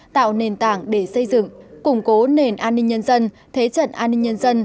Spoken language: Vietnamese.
tạo nền tảng để xây dựng củng cố nền an ninh nhân dân thế trận an ninh nhân dân